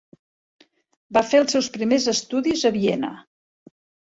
Va fer els seus primers estudis a Viena.